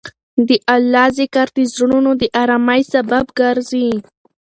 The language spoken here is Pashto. د الله ذکر د زړونو د ارامۍ سبب ګرځي.